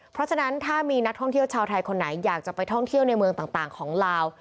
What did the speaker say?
เพราะฉะนั้นถ้ามีนักท่องเที่ยวชาวไทยคนไหนอยากจะไปท่องเที่ยวในเมืองต่างของลาว